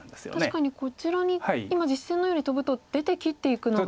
確かにこちらに今実戦のようにトブと出て切っていくのが。